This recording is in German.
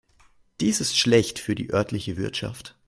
Dies ist schlecht für die örtliche Wirtschaft.